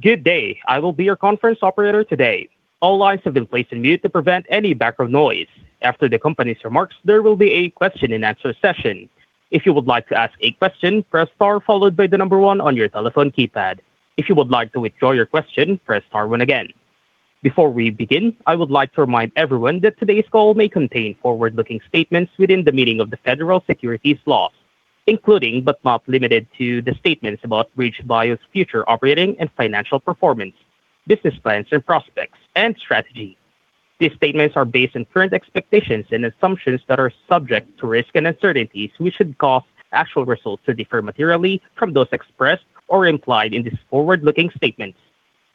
Good day! I will be your conference operator today. All lines have been placed on mute to prevent any background noise. After the company's remarks, there will be a question and answer session. If you would like to ask a question, press star followed by the number one on your telephone keypad. If you would like to withdraw your question, press star one again. Before we begin, I would like to remind everyone that today's call may contain forward-looking statements within the meaning of the federal securities laws, including, but not limited to, the statements about BridgeBio's future operating and financial performance, business plans and prospects, and strategy. These statements are based on current expectations and assumptions that are subject to risks and uncertainties, which could cause actual results to differ materially from those expressed or implied in these forward-looking statements.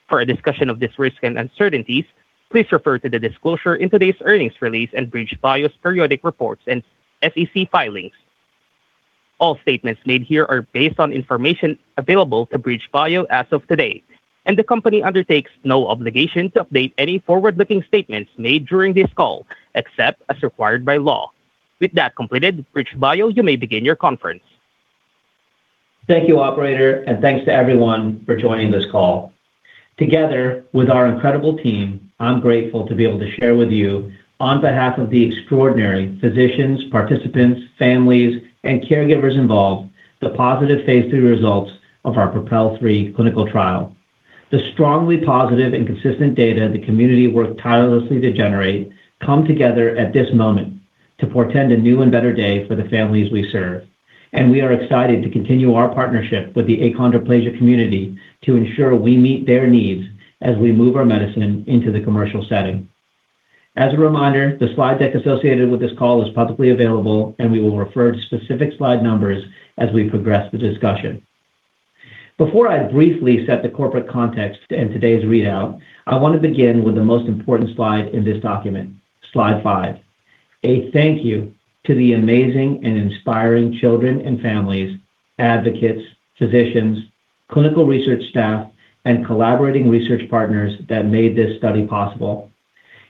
For a discussion of these risks and uncertainties, please refer to the disclosure in today's earnings release and BridgeBio's periodic reports and SEC filings. All statements made here are based on information available to BridgeBio as of today, and the company undertakes no obligation to update any forward-looking statements made during this call, except as required by law. With that completed, BridgeBio, you may begin your conference. Thank you, operator, and thanks to everyone for joining this call. Together with our incredible team, I'm grateful to be able to share with you, on behalf of the extraordinary physicians, participants, families, and caregivers involved, the positive phase III results of our PROPEL-3 clinical trial. The strongly positive and consistent data the community worked tirelessly to generate come together at this moment to portend a new and better day for the families we serve, and we are excited to continue our partnership with the achondroplasia community to ensure we meet their needs as we move our medicine into the commercial setting. As a reminder, the slide deck associated with this call is publicly available, and we will refer to specific slide numbers as we progress the discussion. Before I briefly set the corporate context in today's readout, I want to begin with the most important slide in this document, slide 5: A thank you to the amazing and inspiring children and families, advocates, physicians, clinical research staff, and collaborating research partners that made this study possible.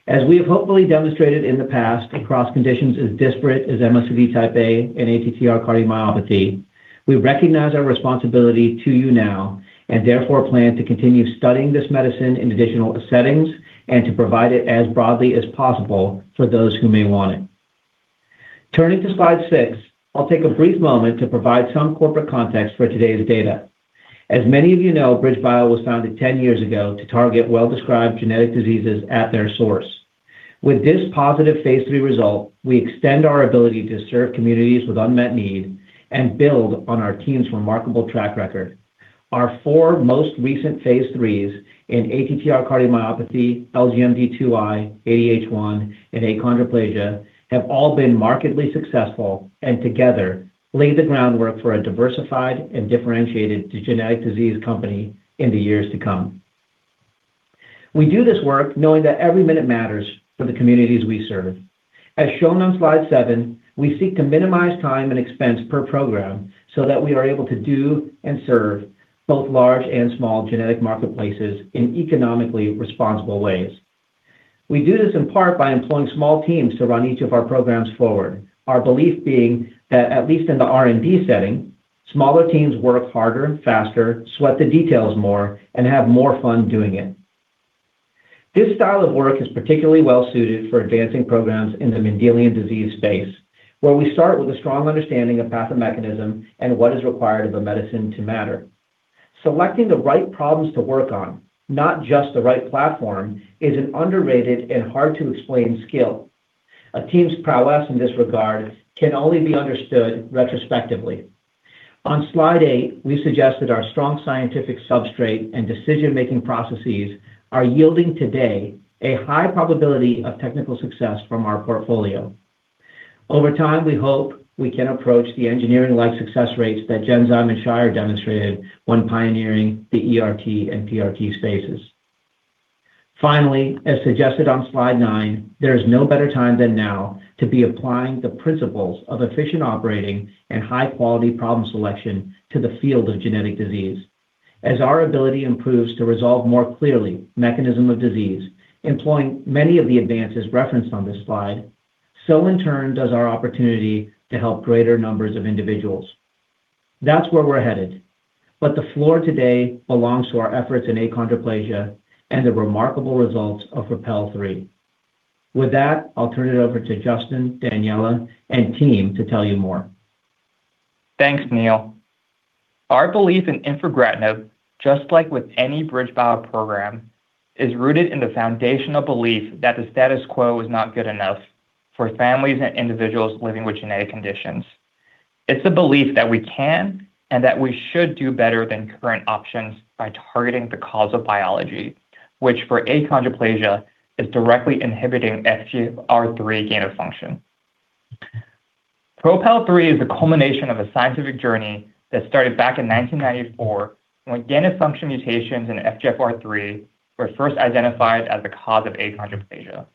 As we have hopefully demonstrated in the past across conditions as disparate as MoCD type A and ATTR cardiomyopathy, we recognize our responsibility to you now and therefore plan to continue studying this medicine in additional settings and to provide it as broadly as possible for those who may want it. Turning to slide 6, I'll take a brief moment to provide some corporate context for today's data. As many of you know, BridgeBio was founded 10 years ago to target well-described genetic diseases at their source. With this positive phase III result, we extend our ability to serve communities with unmet need and build on our team's remarkable track record. Our four most recent phase IIIs in ATTR cardiomyopathy, LGMD2I, ADH1, and achondroplasia have all been markedly successful and together lay the groundwork for a diversified and differentiated genetic disease company in the years to come. We do this work knowing that every minute matters for the communities we serve. As shown on slide 7, we seek to minimize time and expense per program so that we are able to do and serve both large and small genetic marketplaces in economically responsible ways. We do this in part by employing small teams to run each of our programs forward. Our belief being that at least in the R&D setting, smaller teams work harder and faster, sweat the details more, and have more fun doing it. This style of work is particularly well suited for advancing programs in the Mendelian disease space, where we start with a strong understanding of pathomechanism and what is required of a medicine to matter. Selecting the right problems to work on, not just the right platform, is an underrated and hard-to-explain skill. A team's prowess in this regard can only be understood retrospectively. On slide eight, we suggest that our strong scientific substrate and decision-making processes are yielding today a high probability of technical success from our portfolio. Over time, we hope we can approach the engineering-like success rates that Genzyme and Shire demonstrated when pioneering the ERT and PRT spaces. Finally, as suggested on slide nine, there is no better time than now to be applying the principles of efficient operating and high-quality problem selection to the field of genetic disease. As our ability improves to resolve more clearly mechanism of disease, employing many of the advances referenced on this slide, so in turn does our opportunity to help greater numbers of individuals. That's where we're headed, but the floor today belongs to our efforts in achondroplasia and the remarkable results of PROPEL-3. With that, I'll turn it over to Justin, Daniela, and team to tell you more. Thanks, Neil. Our belief in infigratinib, just like with any BridgeBio program, is rooted in the foundational belief that the status quo is not good enough for families and individuals living with genetic conditions. It's a belief that we can and that we should do better than current options by targeting the cause of biology, which for achondroplasia is directly inhibiting FGFR3 gain of function. PROPEL-3 is a culmination of a scientific journey that started back in 1994 when gain of function mutations in FGFR3 were first identified as the cause of achondroplasia.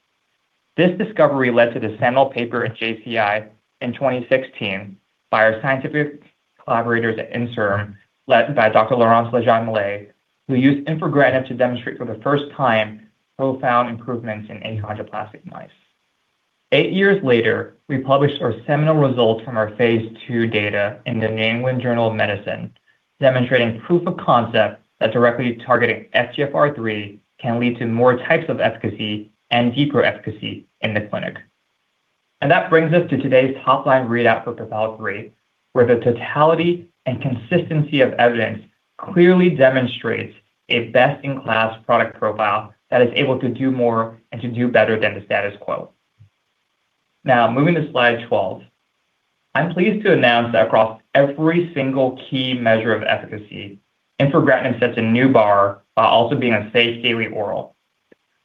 This discovery led to the seminal paper in JCI in 2016 by our scientific collaborators at Inserm, led by Dr. Laurence Legeai-Mallet, who used infigratinib to demonstrate for the first time profound improvements in achondroplastic mice.... Eight years later, we published our seminal results from our phase II data in the New England Journal of Medicine, demonstrating proof of concept that directly targeting FGFR3 can lead to more types of efficacy and deeper efficacy in the clinic. That brings us to today's top-line readout for PROPEL3, where the totality and consistency of evidence clearly demonstrates a best-in-class product profile that is able to do more and to do better than the status quo. Now, moving to Slide 12. I'm pleased to announce that across every single key measure of efficacy, infigratinib sets a new bar while also being a safe daily oral.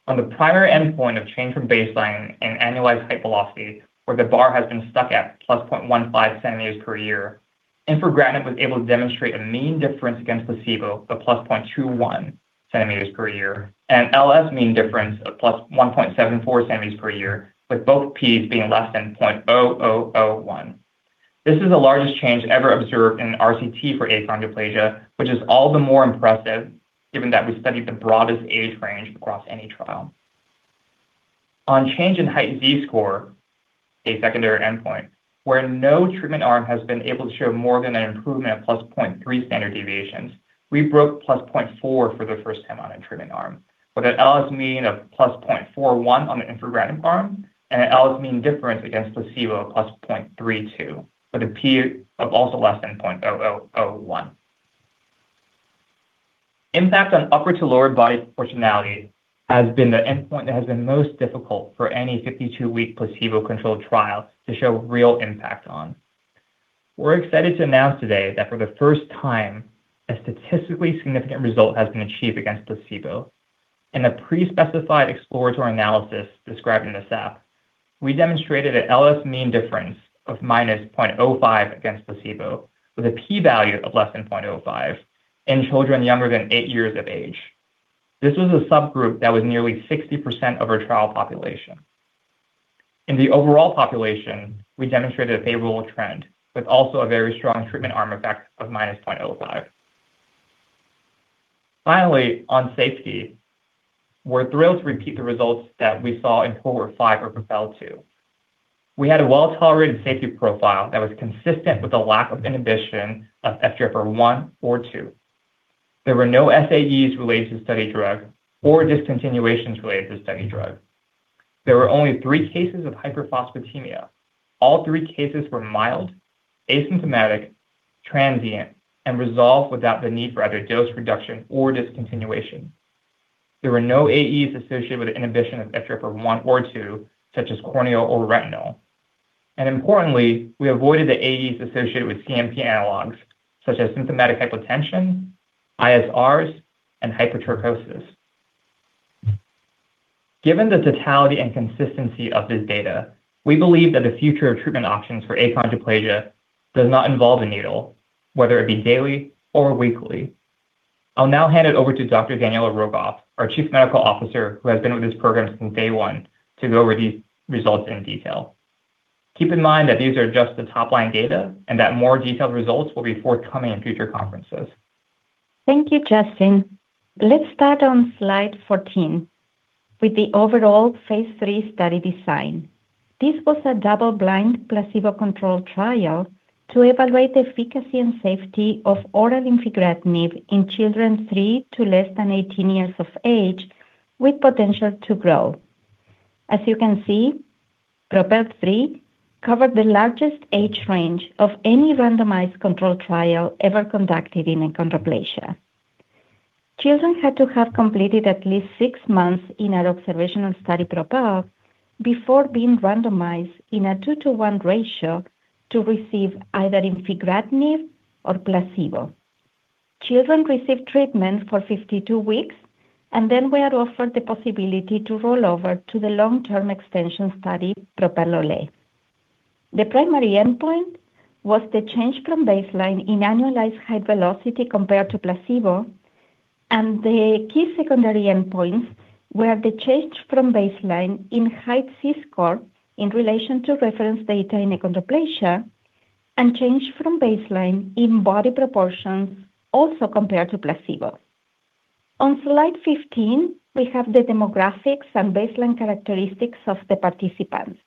On the primary endpoint of change from baseline and annualized height velocity, where the bar has been stuck at +0.15 centimeters per year, infigratinib was able to demonstrate a mean difference against placebo of +0.21 centimeters per year, and LS mean difference of +1.74 centimeters per year, with both P's being <0.0001. This is the largest change ever observed in RCT for achondroplasia, which is all the more impressive given that we studied the broadest age range across any trial. On change in height Z-score, a secondary endpoint, where no treatment arm has been able to show more than an improvement of +0.3 standard deviations, we broke +0.4 for the first time on a treatment arm, with an LS mean of +0.41 on the infigratinib arm and an LS mean difference against placebo of +0.32, with a P of also less than 0.0001. Impact on upper to lower body proportionality has been the endpoint that has been most difficult for any 52-week placebo-controlled trial to show real impact on. We're excited to announce today that for the first time, a statistically significant result has been achieved against placebo. In a pre-specified exploratory analysis described in the SAP, we demonstrated an LS mean difference of -0.05 against placebo, with a P value of less than 0.05 in children younger than eight years of age. This was a subgroup that was nearly 60% of our trial population. In the overall population, we demonstrated a favorable trend, with also a very strong treatment arm effect of -0.05. Finally, on safety, we're thrilled to repeat the results that we saw in 4 or 5 or PROPEL 2. We had a well-tolerated safety profile that was consistent with the lack of inhibition of FGFR1 or FGFR2. There were no SAEs related to study drug or discontinuations related to study drug. There were only three cases of hyperphosphatemia. All three cases were mild, asymptomatic, transient, and resolved without the need for either dose reduction or discontinuation. There were no AEs associated with an inhibition of FGFR1 or FGFR2, such as corneal or retinal. Importantly, we avoided the AEs associated with CNP analogs, such as symptomatic hypotension, ISRs, and hypertriglyceridemia. Given the totality and consistency of this data, we believe that the future of treatment options for achondroplasia does not involve a needle, whether it be daily or weekly. I'll now hand it over to Dr. Daniela Rogoff, our Chief Medical Officer, who has been with this program from day one, to go over these results in detail. Keep in mind that these are just the top-line data and that more detailed results will be forthcoming in future conferences. Thank you, Justin. Let's start on slide 14 with the overall phase III study design. This was a double-blind, placebo-controlled trial to evaluate the efficacy and safety of oral infigratinib in children 3 to less than 18 years of age, with potential to grow. As you can see, PROPEL 3 covered the largest age range of any randomized controlled trial ever conducted in achondroplasia. Children had to have completed at least 6 months in our observational study, PROPEL, before being randomized in a 2 to 1 ratio to receive either infigratinib or placebo. Children received treatment for 52 weeks, and then we are offered the possibility to roll over to the long-term extension study, PROPEL OLE. The primary endpoint was the change from baseline in annualized height velocity compared to placebo, and the key secondary endpoints were the change from baseline in height Z-score in relation to reference data in achondroplasia and change from baseline in body proportions also compared to placebo. On Slide 15, we have the demographics and baseline characteristics of the participants.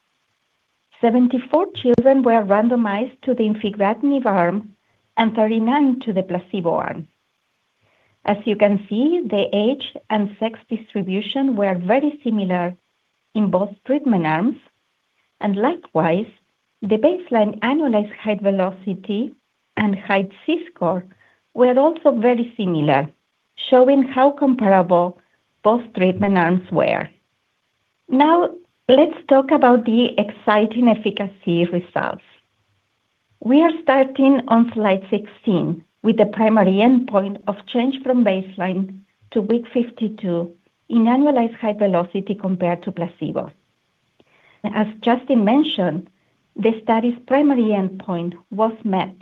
74 children were randomized to the infigratinib arm and 39 to the placebo arm. As you can see, the age and sex distribution were very similar in both treatment arms, and likewise, the baseline annualized height velocity and height Z-score were also very similar, showing how comparable both treatment arms were. Now, let's talk about the exciting efficacy results. We are starting on Slide 16 with the primary endpoint of change from baseline to week 52 in annualized height velocity compared to placebo. As Justin mentioned, the study's primary endpoint was met.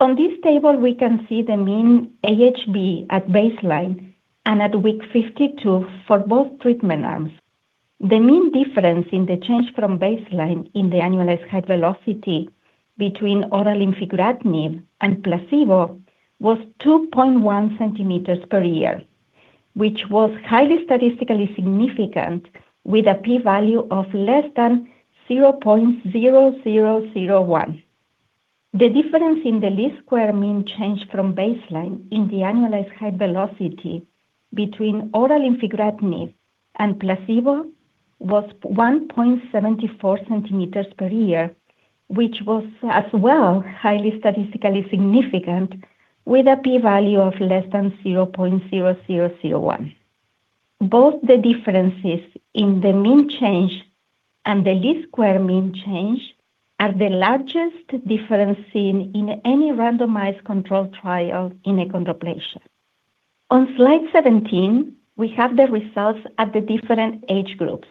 On this table, we can see the mean AHV at baseline and at week 52 for both treatment arms. The mean difference in the change from baseline in the annualized height velocity between oral infigratinib and placebo was 2.1 centimeters per year, which was highly statistically significant with a p-value of less than 0.0001. The difference in the least squares mean change from baseline in the annualized height velocity between oral infigratinib and placebo was 1.74 centimeters per year, which was as well highly statistically significant with a p-value of less than 0.0001. Both the differences in the mean change and the least squares mean change are the largest difference seen in any randomized controlled trial in achondroplasia. On slide 17, we have the results at the different age groups.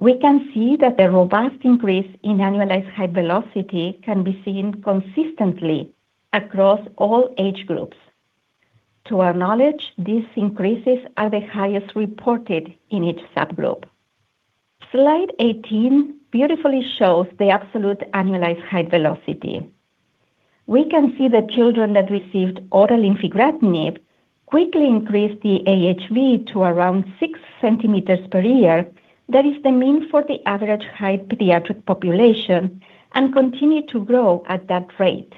We can see that the robust increase in annualized height velocity can be seen consistently across all age groups. To our knowledge, these increases are the highest reported in each subgroup. Slide 18 beautifully shows the absolute annualized height velocity. We can see the children that received oral infigratinib quickly increased the AHV to around 6 centimeters per year. That is the mean for the average height pediatric population and continued to grow at that rate.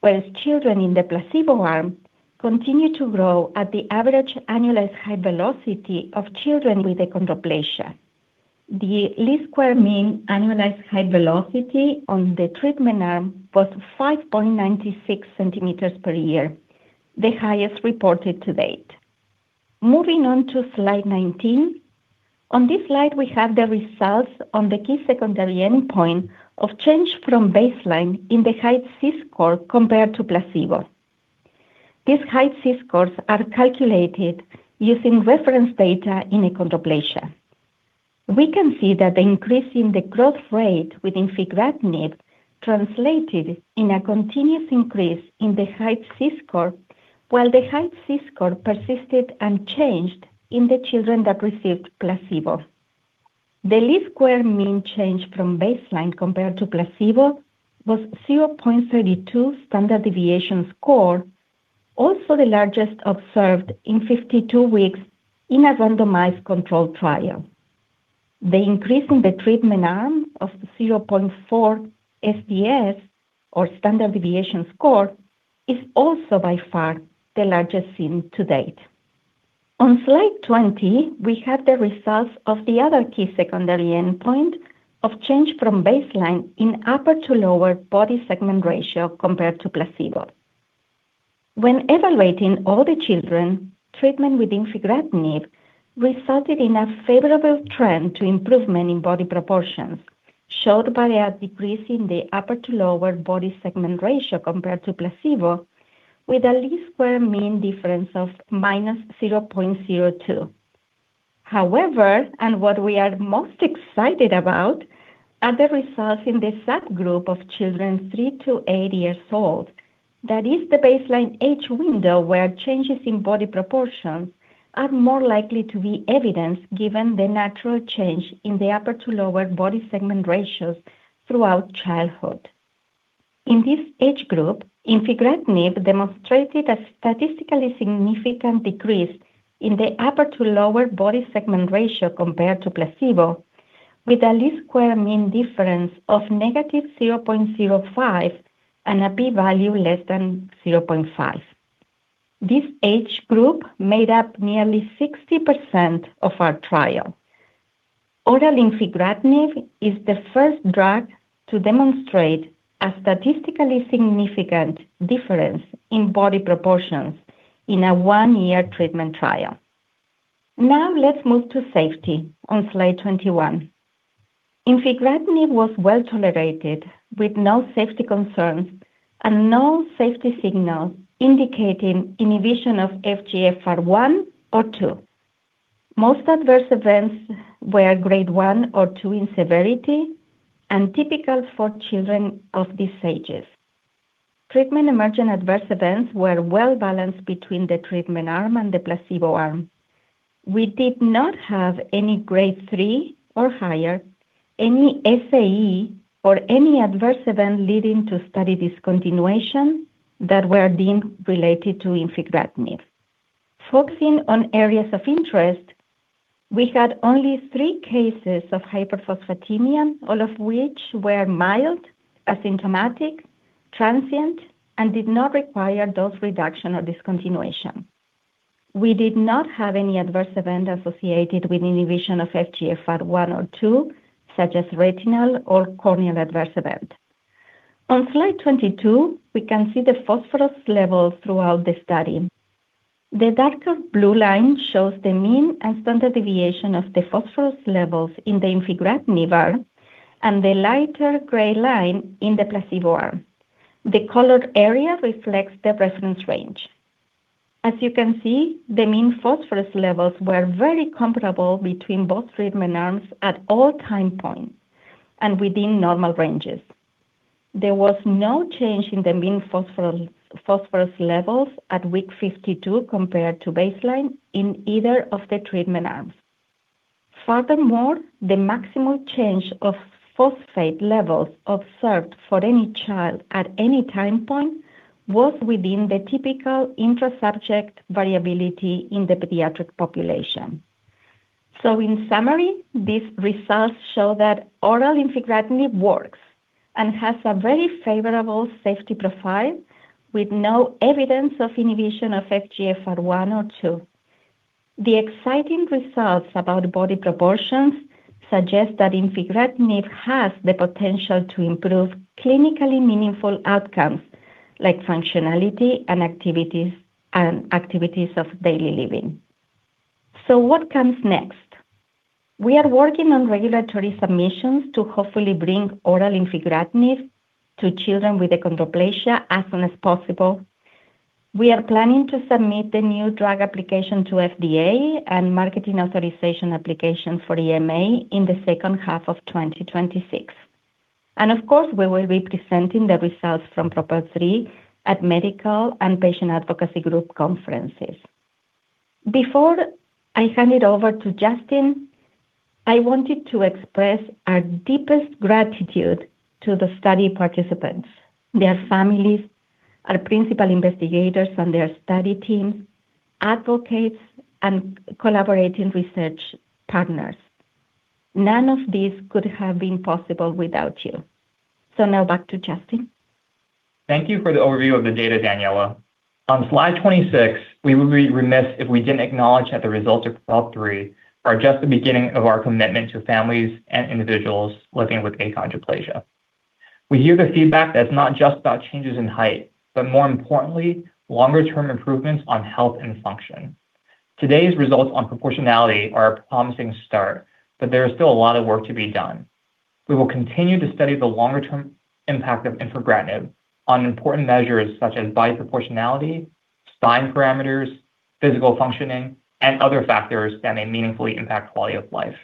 Whereas children in the placebo arm continued to grow at the average annualized height velocity of children with achondroplasia. The least squares mean annualized height velocity on the treatment arm was 5.96 centimeters per year, the highest reported to date. Moving on to slide 19. On this slide, we have the results on the key secondary endpoint of change from baseline in the height Z-score compared to placebo. These height Z-scores are calculated using reference data in achondroplasia. We can see that the increase in the growth rate with infigratinib translated in a continuous increase in the height Z-score, while the height Z-score persisted unchanged in the children that received placebo. The least squares mean change from baseline compared to placebo was 0.32 standard deviation score, also the largest observed in 52 weeks in a randomized controlled trial. The increase in the treatment arm of 0.4 SDS or standard deviation score, is also by far the largest seen to date. On slide 20, we have the results of the other key secondary endpoint of change from baseline in upper to lower body segment ratio compared to placebo. When evaluating all the children, treatment with infigratinib resulted in a favorable trend to improvement in body proportions, showed by a decrease in the upper-to-lower body segment ratio compared to placebo, with a least squares mean difference of -0.02. However, and what we are most excited about, are the results in the subgroup of children 3 to 8 years old. That is the baseline age window, where changes in body proportions are more likely to be evidenced given the natural change in the upper-to-lower body segment ratios throughout childhood. In this age group, infigratinib demonstrated a statistically significant decrease in the upper-to-lower body segment ratio compared to placebo, with a least squares mean difference of -0.05 and a p-value less than 0.5. This age group made up nearly 60% of our trial. Oral infigratinib is the first drug to demonstrate a statistically significant difference in body proportions in a 1-year treatment trial. Now, let's move to safety on slide 21. Infigratinib was well-tolerated, with no safety concerns and no safety signal indicating inhibition of FGFR 1 or 2. Most adverse events were grade 1 or 2 in severity and typical for children of these ages. Treatment-emergent adverse events were well-balanced between the treatment arm and the placebo arm. We did not have any grade 3 or higher, any SAE or any adverse event leading to study discontinuation that were deemed related to infigratinib. Focusing on areas of interest, we had only 3 cases of hyperphosphatemia, all of which were mild, asymptomatic, transient, and did not require dose reduction or discontinuation. We did not have any adverse event associated with inhibition of FGFR 1 or 2, such as retinal or corneal adverse event. On slide 22, we can see the phosphorus levels throughout the study. The darker blue line shows the mean and standard deviation of the phosphorus levels in the infigratinib arm and the lighter gray line in the placebo arm. The colored area reflects the reference range. As you can see, the mean phosphorus levels were very comparable between both treatment arms at all time points and within normal ranges. There was no change in the mean phosphorus levels at week 52 compared to baseline in either of the treatment arms. Furthermore, the maximal change of phosphate levels observed for any child at any time point was within the typical intra-subject variability in the pediatric population. So in summary, these results show that oral infigratinib works and has a very favorable safety profile, with no evidence of inhibition of FGFR1 or FGFR2. The exciting results about body proportions suggest that infigratinib has the potential to improve clinically meaningful outcomes like functionality and activities, and activities of daily living. So what comes next? We are working on regulatory submissions to hopefully bring oral infigratinib to children with achondroplasia as soon as possible. We are planning to submit the new drug application to FDA and marketing authorization application for EMA in the second half of 2026. And of course, we will be presenting the results from PROPEL3 at medical and patient advocacy group conferences. Before I hand it over to Justin, I wanted to express our deepest gratitude to the study participants, their families, our principal investigators and their study teams, advocates, and collaborating research partners. None of this could have been possible without you. So now back to Justin. Thank you for the overview of the data, Daniela. On slide 26, we would be remiss if we didn't acknowledge that the results of PROPEL3 are just the beginning of our commitment to families and individuals living with achondroplasia. We hear the feedback that it's not just about changes in height, but more importantly, longer-term improvements on health and function. Today's results on proportionality are a promising start, but there is still a lot of work to be done. We will continue to study the longer-term impact of infigratinib on important measures such as body proportionality, spine parameters, physical functioning, and other factors that may meaningfully impact quality of life.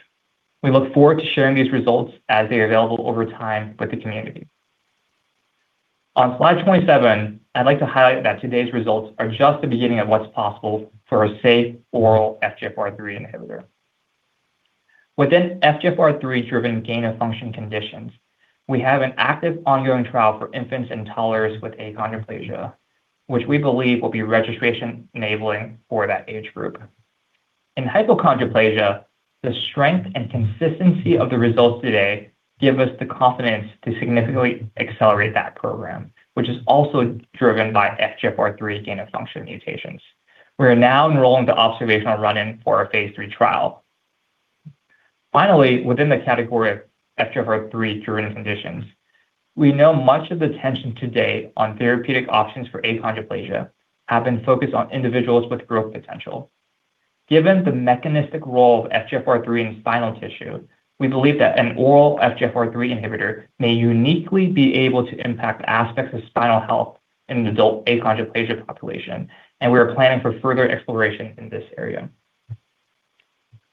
We look forward to sharing these results as they're available over time with the community. On slide 27, I'd like to highlight that today's results are just the beginning of what's possible for a safe oral FGFR3 inhibitor. Within FGFR3-driven gain-of-function conditions, we have an active ongoing trial for infants and toddlers with achondroplasia, which we believe will be registration-enabling for that age group. In hypochondroplasia, the strength and consistency of the results today give us the confidence to significantly accelerate that program, which is also driven by FGFR3 gain-of-function mutations. We are now enrolling the observational run-in for our phase III trial. Finally, within the category of FGFR3 driven conditions, we know much of the attention to date on therapeutic options for achondroplasia have been focused on individuals with growth potential. Given the mechanistic role of FGFR3 in spinal tissue, we believe that an oral FGFR3 inhibitor may uniquely be able to impact aspects of spinal health in an adult achondroplasia population, and we are planning for further exploration in this area.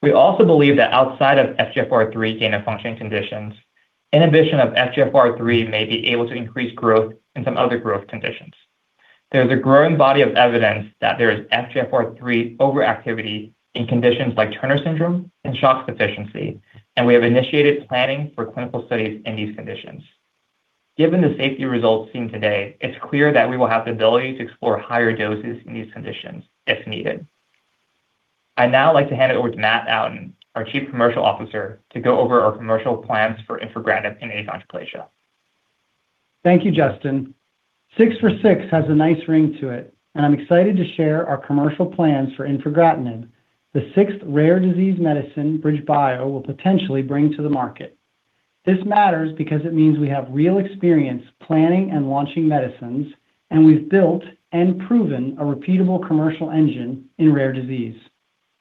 We also believe that outside of FGFR3 gain-of-function conditions, inhibition of FGFR3 may be able to increase growth in some other growth conditions. There is a growing body of evidence that there is FGFR3 overactivity in conditions like Turner syndrome and SHOX deficiency, and we have initiated planning for clinical studies in these conditions. Given the safety results seen today, it's clear that we will have the ability to explore higher doses in these conditions if needed. I'd now like to hand it over to Matt Outten, our Chief Commercial Officer, to go over our commercial plans for infigratinib in achondroplasia. Thank you, Justin. Six for six has a nice ring to it, and I'm excited to share our commercial plans for infigratinib, the sixth rare disease medicine BridgeBio will potentially bring to the market. This matters because it means we have real experience planning and launching medicines, and we've built and proven a repeatable commercial engine in rare disease.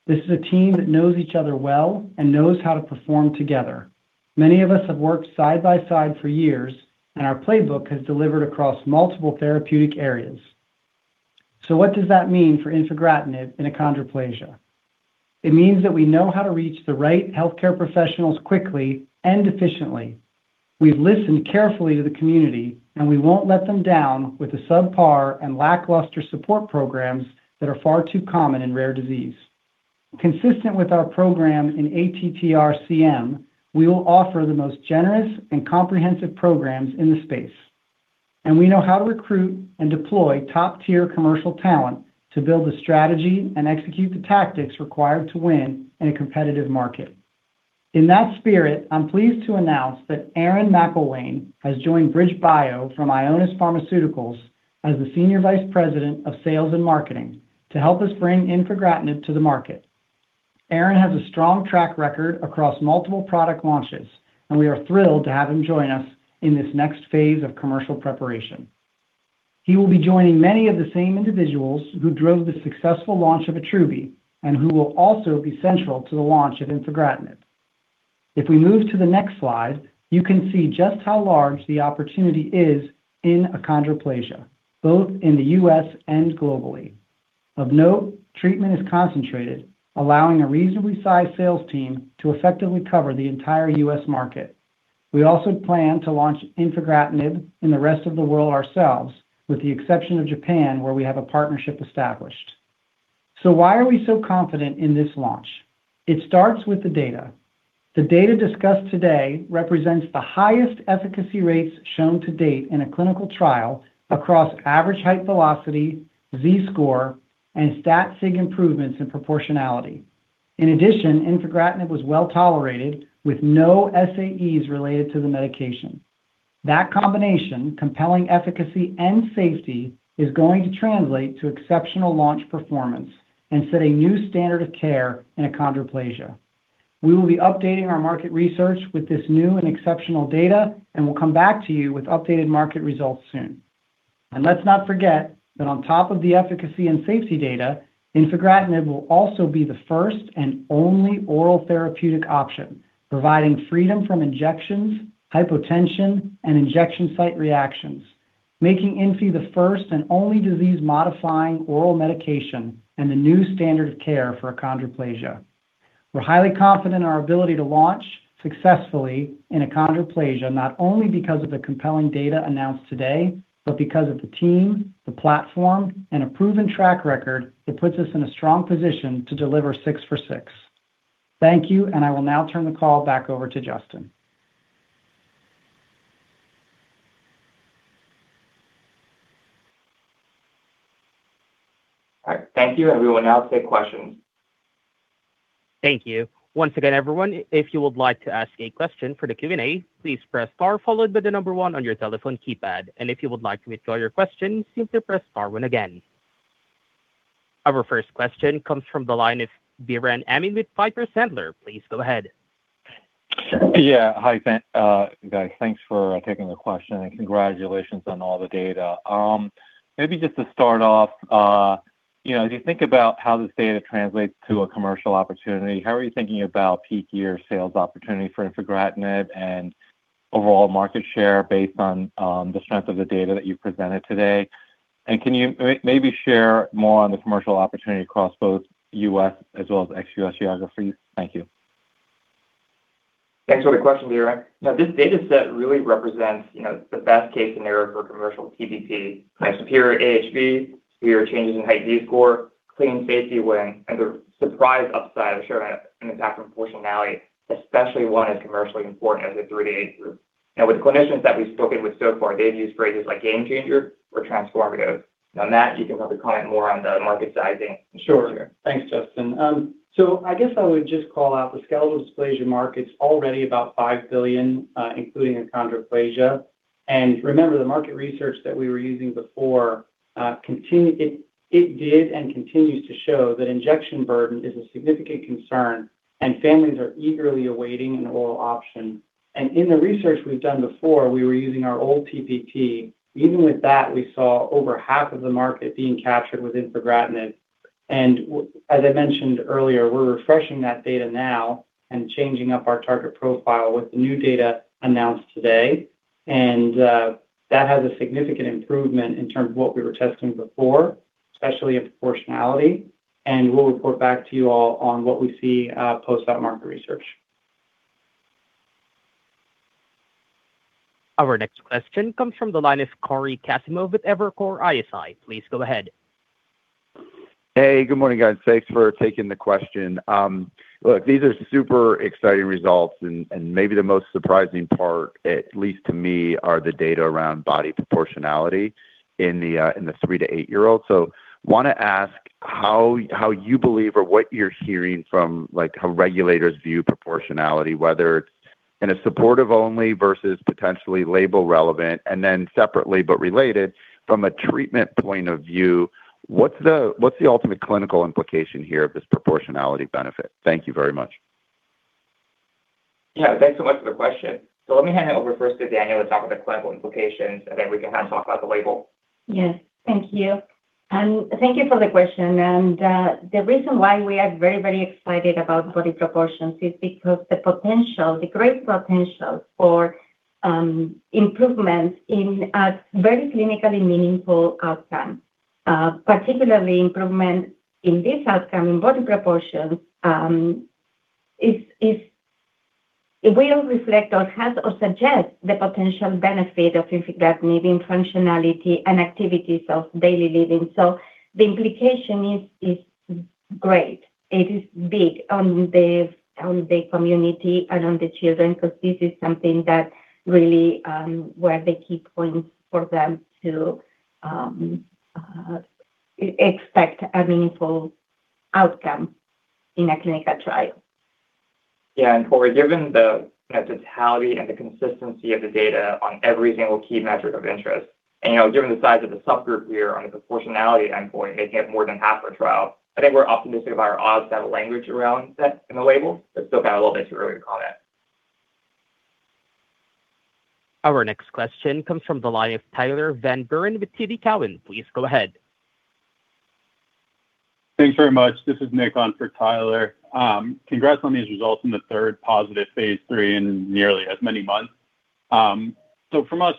This is a team that knows each other well and knows how to perform together. Many of us have worked side by side for years, and our playbook has delivered across multiple therapeutic areas. So what does that mean for infigratinib in achondroplasia? It means that we know how to reach the right healthcare professionals quickly and efficiently. We've listened carefully to the community, and we won't let them down with the subpar and lackluster support programs that are far too common in rare disease. Consistent with our program in ATTR-CM, we will offer the most generous and comprehensive programs in the space, and we know how to recruit and deploy top-tier commercial talent to build the strategy and execute the tactics required to win in a competitive market. In that spirit, I'm pleased to announce that Aaron McIlwain has joined BridgeBio from Ionis Pharmaceuticals as the Senior Vice President of Sales and Marketing to help us bring infigratinib to the market. Aaron has a strong track record across multiple product launches, and we are thrilled to have him join us in this next phase of commercial preparation. He will be joining many of the same individuals who drove the successful launch of Attruby, and who will also be central to the launch of infigratinib. If we move to the next slide, you can see just how large the opportunity is in achondroplasia, both in the U.S. and globally. Of note, treatment is concentrated, allowing a reasonably sized sales team to effectively cover the entire U.S. market.... We also plan to launch infigratinib in the rest of the world ourselves, with the exception of Japan, where we have a partnership established. So why are we so confident in this launch? It starts with the data. The data discussed today represents the highest efficacy rates shown to date in a clinical trial across average height velocity, Z-score, and stat sig improvements in proportionality. In addition, infigratinib was well tolerated, with no SAEs related to the medication. That combination, compelling efficacy and safety, is going to translate to exceptional launch performance and set a new standard of care in achondroplasia. We will be updating our market research with this new and exceptional data, and we'll come back to you with updated market results soon. Let's not forget that on top of the efficacy and safety data, infigratinib will also be the first and only oral therapeutic option, providing freedom from injections, hypotension, and injection site reactions, making INFI the first and only disease-modifying oral medication and the new standard of care for achondroplasia. We're highly confident in our ability to launch successfully in achondroplasia, not only because of the compelling data announced today, but because of the team, the platform, and a proven track record that puts us in a strong position to deliver six for six. Thank you, and I will now turn the call back over to Justin. All right. Thank you, everyone. Now, take questions. Thank you. Once again, everyone, if you would like to ask a question for the Q&A, please press star followed by the number one on your telephone keypad. If you would like to withdraw your question, simply press star one again. Our first question comes from the line of Biren Amin with Piper Sandler. Please go ahead. Yeah. Hi, Dan, guys. Thanks for taking the question, and congratulations on all the data. Maybe just to start off, you know, as you think about how this data translates to a commercial opportunity, how are you thinking about peak year sales opportunity for infigratinib and overall market share based on the strength of the data that you've presented today? And can you maybe share more on the commercial opportunity across both U.S. as well as ex-U.S. geographies? Thank you. Thanks for the question, Biren. Now, this data set really represents, you know, the best case scenario for commercial TPP, like superior AHV, superior changes in height Z-score, clean safety profile, and the surprise upside I showed in adult height and proportionality, especially one as commercially important as the three-year group. Now, with the clinicians that we've spoken with so far, they've used phrases like game changer or transformative. On that, you can help me comment more on the market sizing. Sure. Thanks, Justin. So I guess I would just call out the skeletal dysplasia markets already about $5 billion, including achondroplasia. And remember, the market research that we were using before continued and continues to show that injection burden is a significant concern, and families are eagerly awaiting an oral option. And in the research we've done before, we were using our old PPT. Even with that, we saw over half of the market being captured with infigratinib. And as I mentioned earlier, we're refreshing that data now and changing up our target profile with the new data announced today. And that has a significant improvement in terms of what we were testing before, especially in proportionality. And we'll report back to you all on what we see post that market research. Our next question comes from the line of Cory Kasimov with Evercore ISI. Please go ahead. Hey, good morning, guys. Thanks for taking the question. Look, these are super exciting results, and maybe the most surprising part, at least to me, are the data around body proportionality in the 3-8-year-olds. So want to ask how you believe or what you're hearing from, like, how regulators view proportionality, whether it's in a supportive only versus potentially label relevant, and then separately, but related from a treatment point of view, what's the ultimate clinical implication here of this proportionality benefit? Thank you very much. Yeah. Thanks so much for the question. Let me hand it over first to Daniel to talk about the clinical implications, and then we can talk about the label. Yes. Thank you. And thank you for the question. And, the reason why we are very, very excited about body proportions is because the potential, the great potential for, improvement in a very clinically meaningful outcome, particularly improvement in this outcome, in body proportions, is, it will reflect or has or suggests the potential benefit of infigratinib in functionality and activities of daily living. So the implication is great. It is big on the, on the community and on the children because this is something that really, were the key points for them to, expect a meaningful outcome in a clinical trial. Yeah, and Corey, given the totality and the consistency of the data on every single key metric of interest, and, you know, given the size of the subgroup here on the proportionality endpoint, making up more than half our trial, I think we're optimistic about our odds to have a language around that in the label, but still got a little bit too early to comment. Our next question comes from the line of Tyler Van Buren with TD Cowen. Please go ahead. Thanks very much. This is Nick on for Tyler. Congrats on these results in the third positive phase III in nearly as many months. So from us-...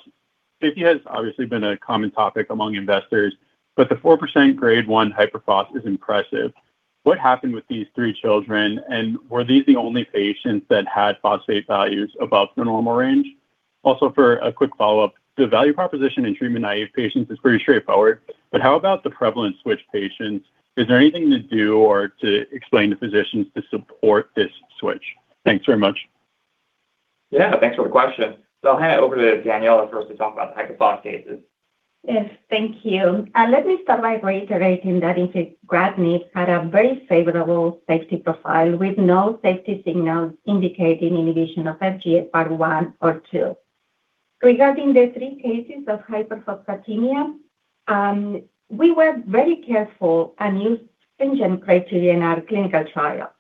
Safety has obviously been a common topic among investors, but the 4% grade 1 hyperphosphatemia is impressive. What happened with these 3 children, and were these the only patients that had phosphate values above the normal range? Also, for a quick follow-up, the value proposition in treatment-naive patients is pretty straightforward, but how about the prevalent switch patients? Is there anything to do or to explain to physicians to support this switch? Thanks very much. Yeah, thanks for the question. I'll hand it over to Daniela first to talk about the hyperphos cases. Yes, thank you. Let me start by reiterating that infigratinib had a very favorable safety profile with no safety signals indicating inhibition of FGFR1 or FGFR2. Regarding the 3 cases of hyperphosphatemia, we were very careful and used stringent criteria in our clinical trial.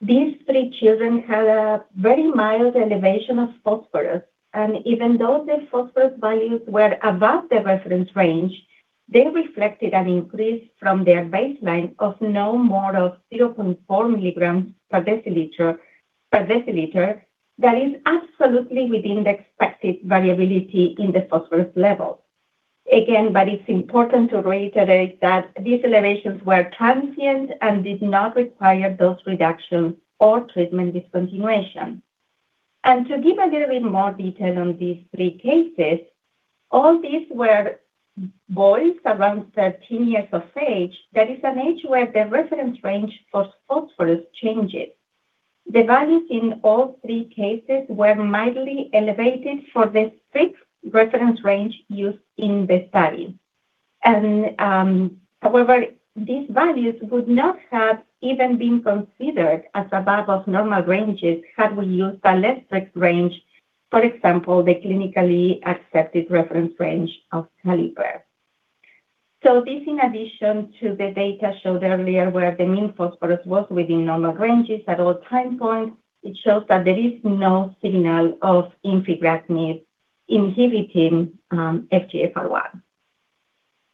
These 3 children had a very mild elevation of phosphorus, and even though the phosphorus values were above the reference range, they reflected an increase from their baseline of no more of 0.4 mg/dL. That is absolutely within the expected variability in the phosphorus level. Again, but it's important to reiterate that these elevations were transient and did not require dose reduction or treatment discontinuation. And to give a little bit more detail on these 3 cases, all these were boys around 13 years of age. That is an age where the reference range for phosphorus changes. The values in all three cases were mildly elevated for the strict reference range used in the study. However, these values would not have even been considered above normal ranges had we used a less strict range, for example, the clinically accepted reference range of caliper. So this, in addition to the data showed earlier, where the mean phosphorus was within normal ranges at all time points, shows that there is no signal of infigratinib inhibiting FGFR1.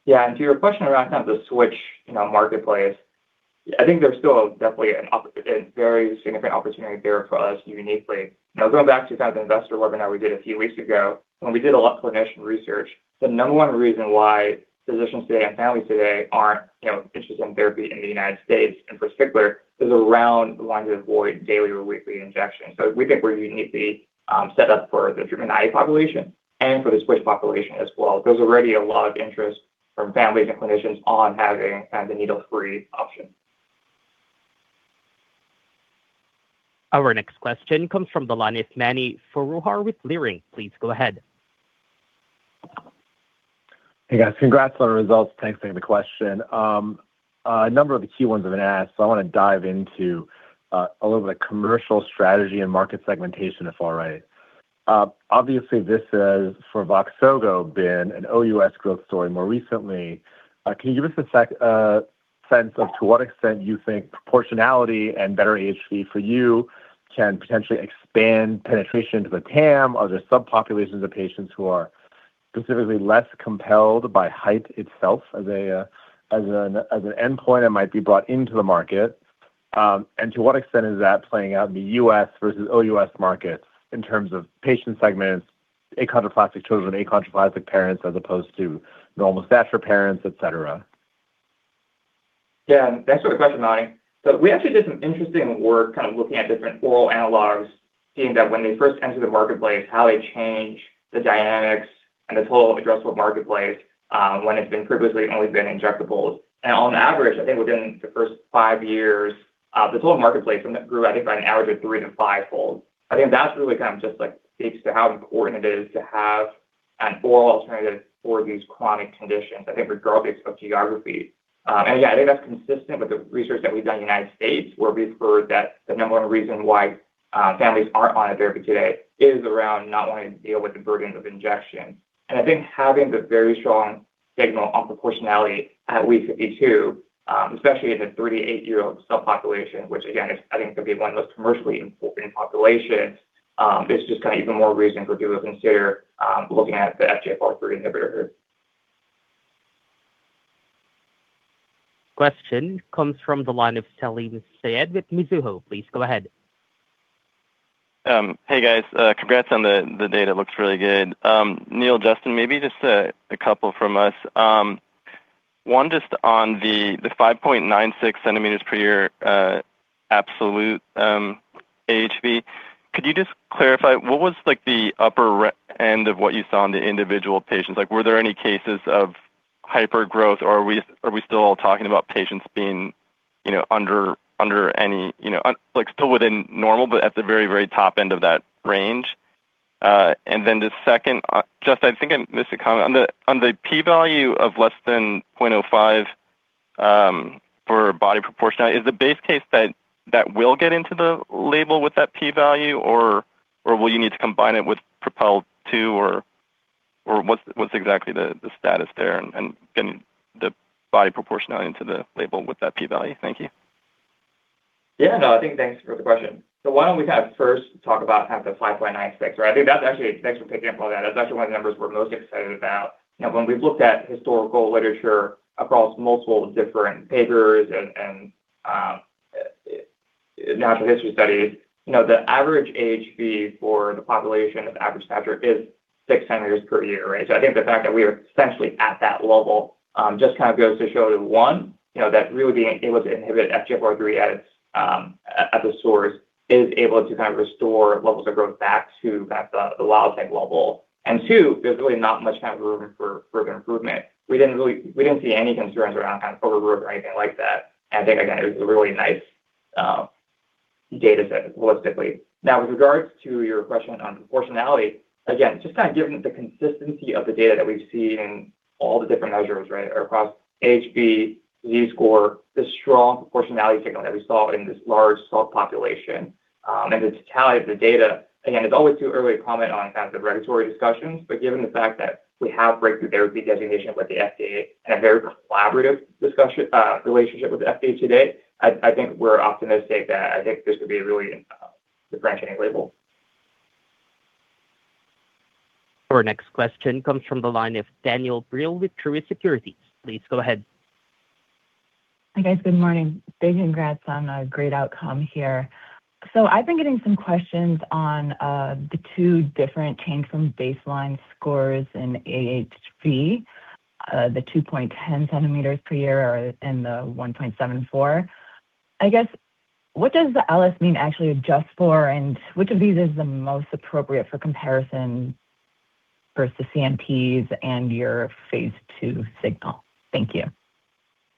Yeah, and to your question around kind of the switch, you know, marketplace, I think there's still definitely a very significant opportunity there for us uniquely. Now, going back to kind of the investor webinar we did a few weeks ago, when we did a lot of clinician research, the number one reason why physicians today and families today aren't, you know, interested in therapy in the United States in particular, is around wanting to avoid daily or weekly injections. So we think we're uniquely set up for the treatment naive population and for the switch population as well. There's already a lot of interest from families and clinicians on having kind of the needle-free option. Our next question comes from the line of Manny Faruhar with Leerink. Please go ahead. Hey, guys. Congrats on the results. Thanks for the question. A number of the key ones have been asked, so I want to dive into a little bit of commercial strategy and market segmentation, if all right. Obviously, this has, for Voxzogo, been an OUS growth story more recently. Can you give us a sec, sense of to what extent you think proportionality and better AHV for you can potentially expand penetration to the TAM or the subpopulations of patients who are specifically less compelled by height itself as an endpoint that might be brought into the market? And to what extent is that playing out in the US versus OUS market in terms of patient segments, achondroplastic children, achondroplastic parents, as opposed to normal stature parents, et cetera? Yeah, thanks for the question, Manny. So we actually did some interesting work, kind of looking at different oral analogs, seeing that when they first enter the marketplace, how they change the dynamics and the total addressable marketplace, when it's been previously only been injectables. And on average, I think within the first five years, the total marketplace grew, I think, by an average of three to fivefold. I think that's really kind of just, like, speaks to how important it is to have an oral alternative for these chronic conditions, I think regardless of geography. And yeah, I think that's consistent with the research that we've done in the United States, where we've heard that the number one reason why, families aren't on a therapy today is around not wanting to deal with the burden of injection. I think having the very strong signal on proportionality at week 52, especially in the 38-year-old subpopulation, which again, is I think could be one of the most commercially important populations, is just kind of even more reason for people to consider looking at the FGFR inhibitor. Question comes from the line of Salim Syed with Mizuho. Please go ahead. Hey, guys. Congrats on the data. It looks really good. Neil, Justin, maybe just a couple from us. One, just on the 5.96 centimeters per year absolute AHV, could you just clarify what was like the upper range end of what you saw on the individual patients? Like, were there any cases of hypergrowth, or are we still all talking about patients being, you know, under any, you know, like, still within normal, but at the very, very top end of that range? And then the second, Justin, I think I missed a comment. On the p-value of less than 0.05 for body proportionality, is the base case that will get into the label with that p-value, or will you need to combine it with PROPEL 2, or what's exactly the status there and can the body proportionality into the label with that p-value? Thank you. Yeah. No, I think, thanks for the question. So why don't we kind of first talk about half of the 5.96, right? I think that's actually. Thanks for picking up on that. That's actually one of the numbers we're most excited about. You know, when we've looked at historical literature across multiple different papers and natural history study, you know, the average AHV for the population of the average stature is 6 centimeters per year, right? So I think the fact that we are essentially at that level just kind of goes to show that, one, you know, that really being able to inhibit FGFR3 at its at the source is able to kind of restore levels of growth back to the wild type level. And two, there's really not much kind of room for further improvement. We didn't really, we didn't see any concerns around kind of overgrowth or anything like that. I think, again, it was a really nice data set holistically. Now, with regards to your question on proportionality, again, just kind of given the consistency of the data that we've seen in all the different measures, right, across AHV, Z-score, the strong proportionality signal that we saw in this large cell population, and the totality of the data. Again, it's always too early to comment on kind of the regulatory discussions, but given the fact that we have breakthrough therapy designation with the FDA and a very collaborative discussion relationship with the FDA to date, I, I think we're optimistic that I think this could be a really differentiating label. Our next question comes from the line of Daniel Brill with Truist Securities. Please go ahead. Hi, guys. Good morning. Big congrats on a great outcome here. So I've been getting some questions on the two different change from baseline scores in AHV, the 2.10 centimeters per year and the 1.74. I guess, what does the LS mean actually adjust for, and which of these is the most appropriate for comparison versus CMPs and your phase two signal? Thank you.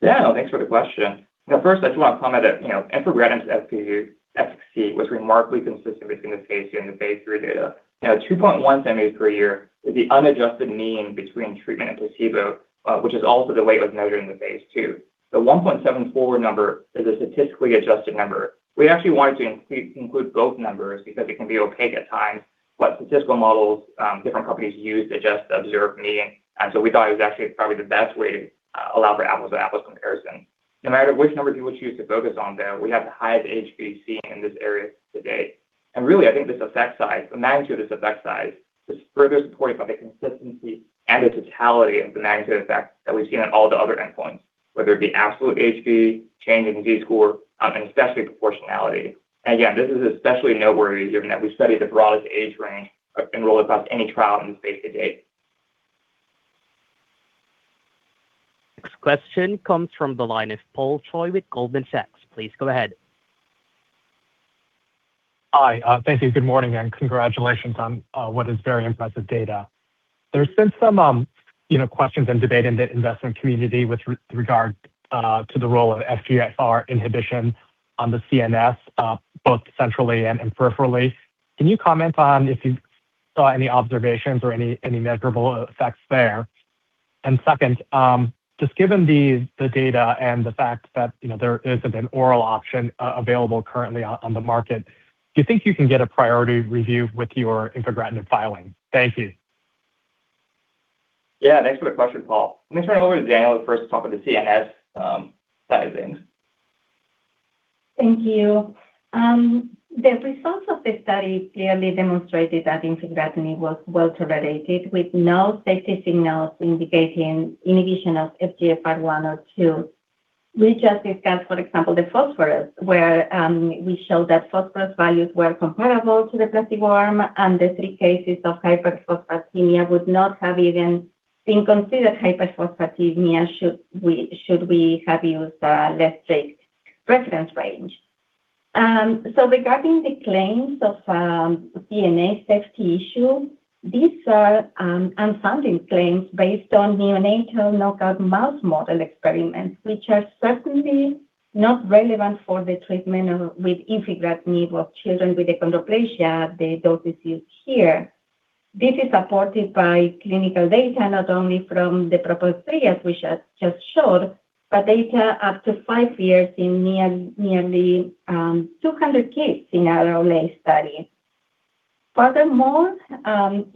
Yeah, thanks for the question. Now, first, I just want to comment that, you know, infigratinib for FGFR3 was remarkably consistent between the phase II and the phase III data. Now, 2.1 centimeters per year is the unadjusted mean between treatment and placebo, which is also the way it was noted in the phase II. The 1.74 number is a statistically adjusted number. We actually wanted to include both numbers because it can be opaque at times what statistical models different companies use to adjust the observed mean. And so we thought it was actually probably the best way to allow for apples to apples comparison. No matter which number you would choose to focus on, though, we have the highest AHV seen in this area today. Really, I think this effect size, the magnitude of this effect size, is further supported by the consistency and the totality of the magnitude effect that we've seen on all the other endpoints, whether it be absolute AHV, change in Z-score, and especially proportionality. Again, this is especially noteworthy, given that we studied the broadest age range enrolled across any trial in the space to date. Next question comes from the line of Paul Choi with Goldman Sachs. Please go ahead. Hi. Thank you. Good morning, and congratulations on what is very impressive data. There's been some, you know, questions and debate in the investment community with regard to the role of FGFR inhibition on the CNS, both centrally and peripherally. Can you comment on if you saw any observations or any measurable effects there? And second, just given the data and the fact that, you know, there isn't an oral option available currently on the market, do you think you can get a priority review with your infigratinib filing? Thank you. Yeah, thanks for the question, Paul. Let me turn it over to Daniela to first talk about the CNS, dive in. Thank you. The results of the study clearly demonstrated that infigratinib was well-tolerated, with no safety signals indicating inhibition of FGFR1 or FGFR2. We just discussed, for example, the phosphorus, where we showed that phosphorus values were comparable to the placebo arm, and the three cases of hyperphosphatemia would not have even been considered hyperphosphatemia should we have used a less strict reference range. So regarding the claims of CNS safety issue, these are unfounded claims based on neonatal knockout mouse model experiments, which are certainly not relevant for the treatment with infigratinib of children with achondroplasia, the dose is used here. This is supported by clinical data, not only from the proposed phase, which I just showed, but data up to five years in nearly 200 kids in our early study. Furthermore,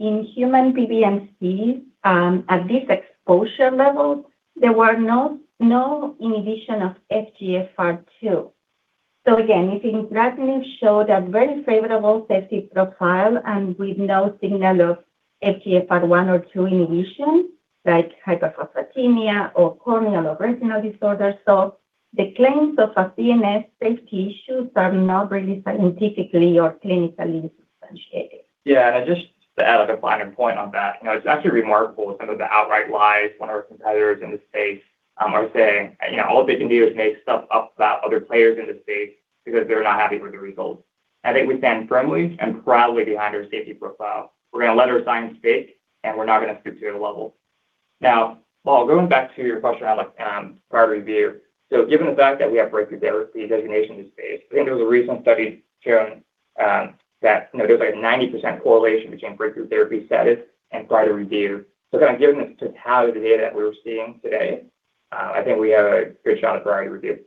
in human PBMC, at this exposure level, there were no inhibition of FGFR2. So again, infigratinib showed a very favorable safety profile and with no signal of FGFR1 or 2 inhibition, like hyperphosphatemia or corneal or retinal disorders. So the claims of a CNS safety issues are not really scientifically or clinically differentiated. Yeah, and just to add a final point on that, you know, it's actually remarkable, some of the outright lies when our competitors in the space are saying. You know, all they can do is make stuff up about other players in the space because they're not happy with the results. I think we stand firmly and proudly behind our safety profile. We're gonna let our science speak, and we're not going to stoop to their level. Now, Paul, going back to your question around priority review. So given the fact that we have Breakthrough Therapy Designation in this space, I think there was a recent study shown that, you know, there's a 90% correlation between breakthrough therapy status and priority review. So again, given the totality of the data that we're seeing today, I think we have a good shot at priority review.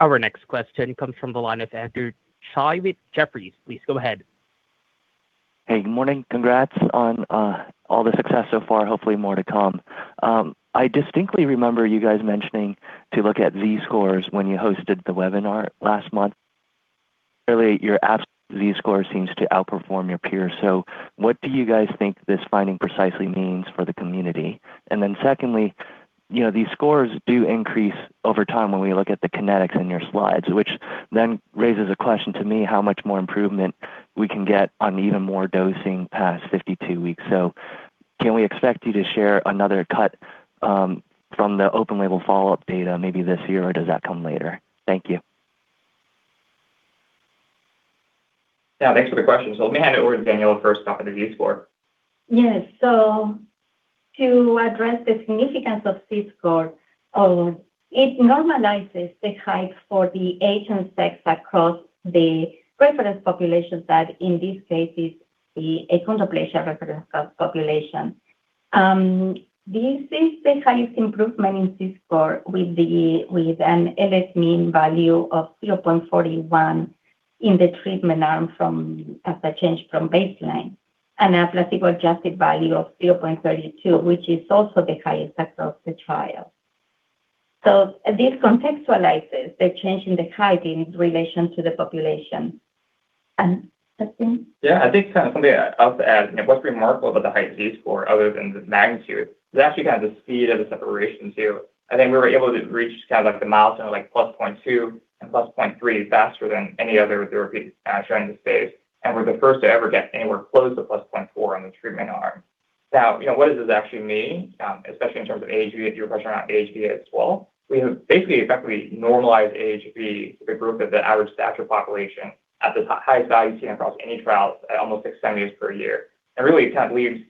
Our next question comes from the line of Andrew Tsai with Jefferies. Please go ahead. Hey, good morning. Congrats on all the success so far, hopefully more to come. I distinctly remember you guys mentioning to look at Z-scores when you hosted the webinar last month... Really, your absolute Z-score seems to outperform your peers. So what do you guys think this finding precisely means for the community? And then secondly, you know, these scores do increase over time when we look at the kinetics in your slides, which then raises a question to me, how much more improvement we can get on even more dosing past 52 weeks? So can we expect you to share another cut from the open label follow-up data, maybe this year, or does that come later? Thank you. Yeah, thanks for the question. So let me hand it over to Daniela first to talk about the Z-score. Yes. So to address the significance of Z-score, it normalizes the height for the age and sex across the reference population that in this case is the achondroplasia reference population. This is the highest improvement in Z-score with the, with an LS mean value of 0.41 in the treatment arm from as a change from baseline and achondroplastic adjusted value of 0.32, which is also the highest effect of the trial. So this contextualizes the change in the height in relation to the population. Justin? Yeah, I think kind of something I'll add, what's remarkable about the height Z-score other than the magnitude, is actually kind of the speed of the separation, too. I think we were able to reach kind of like the milestone of, like, +0.2 and +0.3 faster than any other therapy, trying to save. And we're the first to ever get anywhere close to +0.4 on the treatment arm. Now, you know, what does this actually mean? Especially in terms of AHV, your question around AHV as well. We have basically effectively normalized AHV to the group of the average stature population at the highest value seen across any trials at almost 6 centimeters per year. And really, it kind of leaves,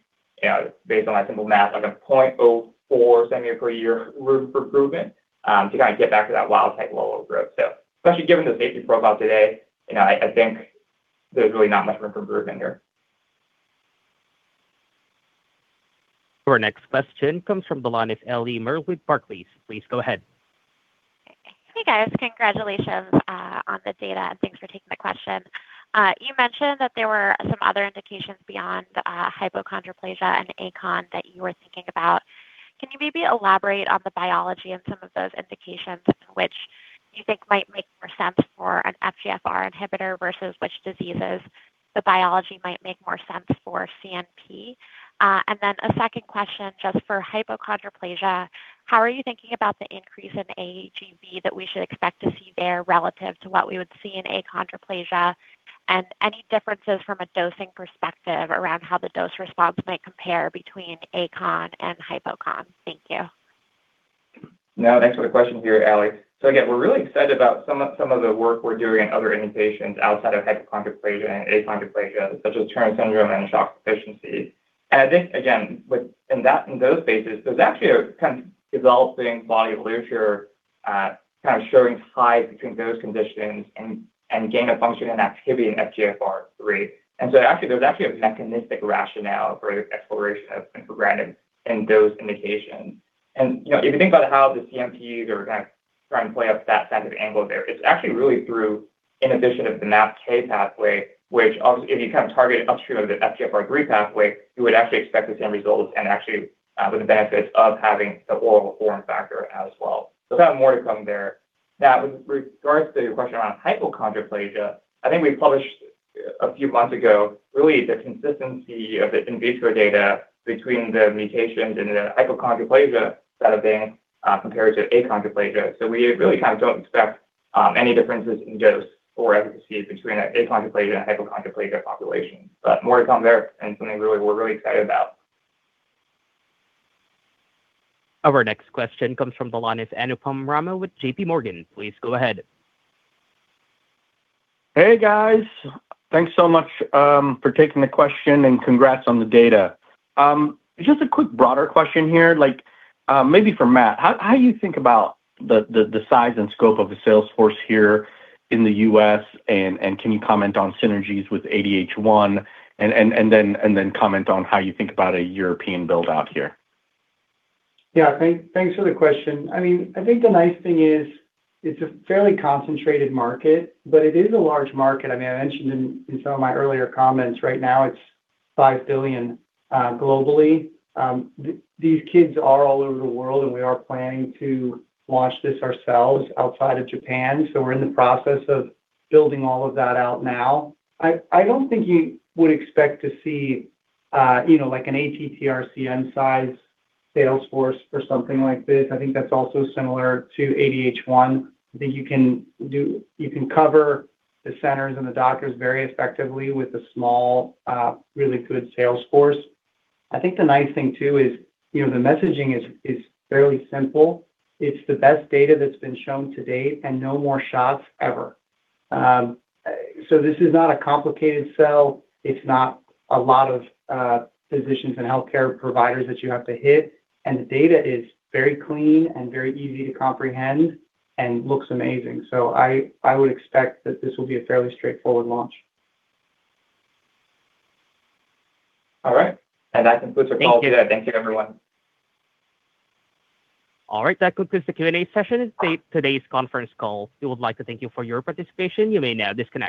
based on that simple math, like 0.04 centimeter per year room for improvement, to kind of get back to that wild-type level of growth. So especially given the safety profile today, you know, I, I think there's really not much room for improvement here. Our next question comes from the line of Ellie Merle with Barclays. Please go ahead. Hey, guys. Congratulations on the data, and thanks for taking the question. You mentioned that there were some other indications beyond hypochondroplasia and acon that you were thinking about. Can you maybe elaborate on the biology and some of those indications which you think might make more sense for an FGFR inhibitor versus which diseases the biology might make more sense for CNP? And then a second question, just for hypochondroplasia, how are you thinking about the increase in AGV that we should expect to see there relative to what we would see in achondroplasia? And any differences from a dosing perspective around how the dose response might compare between acon and hypocon. Thank you. Now, thanks for the question here, Ellie. So again, we're really excited about some of, some of the work we're doing in other indications outside of hypochondroplasia and achondroplasia, such as Turner syndrome and SHOX deficiency. And I think, again, with, in that, in those spaces, there's actually a kind of developing body of literature, kind of showing ties between those conditions and, and gain of function and activity in FGFR3. And so actually, there's actually a mechanistic rationale for exploration of infigratinib in those indications. You know, if you think about how the CNPs are gonna try and play up that side of angle there, it's actually really through, in addition of the MAPK pathway, which also, if you kind of target upstream of the FGFR3 pathway, you would actually expect the same results and actually, with the benefits of having the oral form factor as well. So we have more to come there. Now, with regards to your question around hypochondroplasia, I think we published a few months ago, really, the consistency of the in vitro data between the mutations and the hypochondroplasia that have been, compared to achondroplasia. So we really kind of don't expect, any differences in dose or efficacy between achondroplasia and hypochondroplasia population. But more to come there, and something really we're really excited about. Our next question comes from the line of Anupam Rama with J.P. Morgan. Please go ahead. Hey, guys. Thanks so much for taking the question, and congrats on the data. Just a quick broader question here, like, maybe for Matt. How do you think about the size and scope of the sales force here in the US, and can you comment on synergies with ADH1, and then comment on how you think about a European build-out here? Yeah. Thanks for the question. I mean, I think the nice thing is it's a fairly concentrated market, but it is a large market. I mean, I mentioned in some of my earlier comments, right now, it's $5 billion globally. These kids are all over the world, and we are planning to launch this ourselves outside of Japan, so we're in the process of building all of that out now. I don't think you would expect to see, you know, like an ATTR-CM size sales force for something like this. I think that's also similar to ADH1, that you can cover the centers and the doctors very effectively with a small, really good sales force. I think the nice thing, too, is, you know, the messaging is fairly simple. It's the best data that's been shown to date and no more shots ever. So this is not a complicated sell. It's not a lot of, physicians and healthcare providers that you have to hit, and the data is very clean and very easy to comprehend and looks amazing. So I, I would expect that this will be a fairly straightforward launch. All right. And that concludes our call. Thank you. Thank you, everyone. All right. That concludes the Q&A session and today's conference call. We would like to thank you for your participation. You may now disconnect.